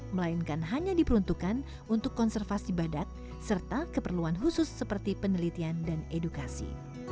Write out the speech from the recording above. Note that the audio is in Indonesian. melainkan hanya diperuntukkan untuk konservasi badak serta keperluan khusus seperti penelitian dan edukasi